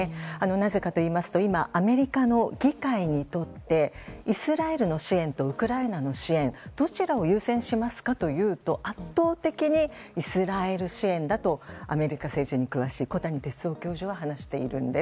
なぜかといいますと今、アメリカの議会にとってイスラエルの支援とウクライナの支援どちらを優先しますかというと圧倒的にイスラエル支援だとアメリカ政治に詳しい小谷哲男教授は話しているんです。